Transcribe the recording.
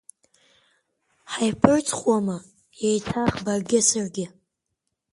Ҳаиԥырҵхуама еиҭах баргьы саргьы?